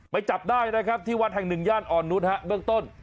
ไปจับได้นะครับที่วันแห่ง๑ย่านอ่อนนุนฮะเบื้องต้น